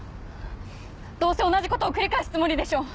どうせ同じことを繰り返すつもりでしょう！